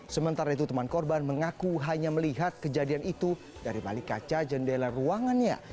sementara itu teman korban mengaku hanya melihat kejadian itu dari balik kaca jendela ruangannya